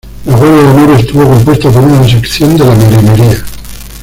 La Guardia de Honor estuvo compuesta por una Sección de la Marinería.